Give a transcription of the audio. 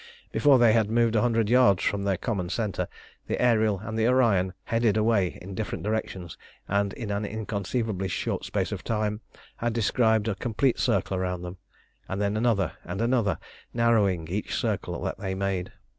Before they had moved a hundred yards from their common centre the Ariel and the Orion headed away in different directions, and in an inconceivably short space of time had described a complete circle round them, and then another and another, narrowing each circle that they made.